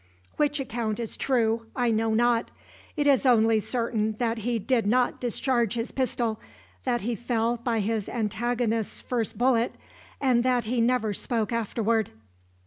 Which account is true, I know not. It is only certain that he did not discharge his pistol, that he fell by his antagonist's first bullet, and that he never spoke afterward."